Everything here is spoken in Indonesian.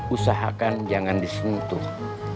usahakan jangan disentuh